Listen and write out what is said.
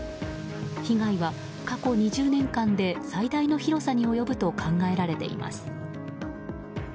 被害は、過去２０年間で最大の広さに及ぶと考えられています。